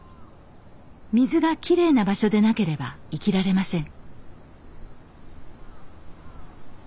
水がきれいな場所でなければ生きられません。